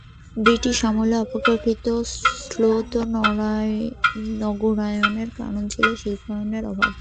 British আমলে অপেক্ষাকৃত শ্লথ নগরায়ণের কারণ ছিল শিল্পায়নের অভাব।